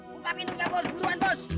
bukakin aja bos buruan bos